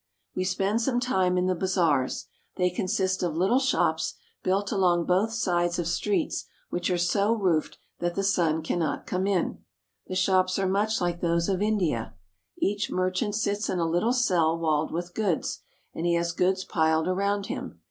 We spend some time in the bazaars. They consist of little shops, built along both sides of streets which are so B i*^'h^w^ In a Persian Bazaar. roofed that the sun cannot come in. The shops are much like those of India. Each merchant sits in a little cell walled with goods, and he has goods piled around him.